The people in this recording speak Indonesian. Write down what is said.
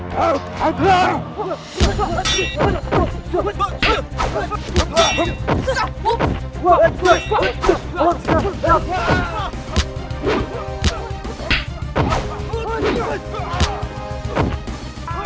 kalian yang membela belanda